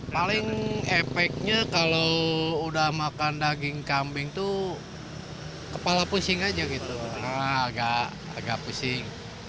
paling efeknya kalau sudah makan daging kambing itu kepala pusing saja agak pusing